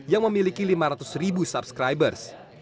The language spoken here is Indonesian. yang memiliki lima ratus subscriber